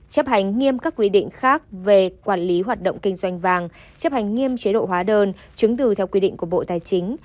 chấp hành nghiêm các quy định khác về quản lý hoạt động kinh doanh vàng chấp hành nghiêm chế độ hóa đơn chứng từ theo quy định của bộ tài chính